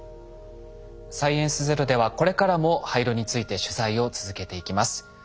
「サイエンスＺＥＲＯ」ではこれからも廃炉について取材を続けていきます。